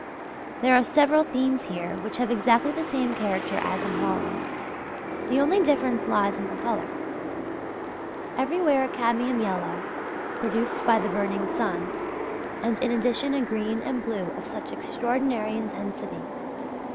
There are several themes here which have exactly the same character as in Holland: the only difference lies in the colour. Everywhere a cadmium yellow, produced by the burning sun, and in addition a green and blue of such extraordinary intensity!